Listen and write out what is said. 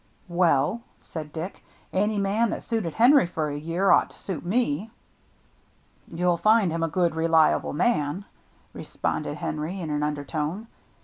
Well," said Dick, " any man that suited Henry for a year ought to suit me." " You'll find him a good, reliable man," responded Henry, in an undertone.